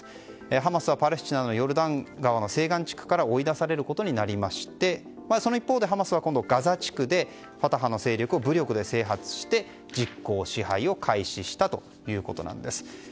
ハマスは、パレスチナのヨルダン川の西岸地区から追い出されることになりましてその一方でハマスは、ガザ地区でファタハの勢力を武力で制圧して実効支配を開始したということです。